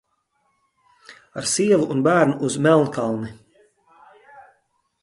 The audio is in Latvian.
Ar sievu un bērnu uz Melnkalni!